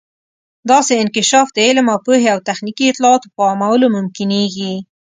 داسې انکشاف د علم او پوهې او تخنیکي اطلاعاتو په عامولو ممکنیږي.